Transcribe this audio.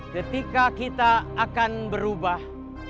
ketika kita akan berubah